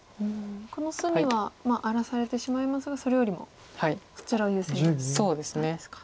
この隅は荒らされてしまいますがそれよりもこちらを優先したんですか。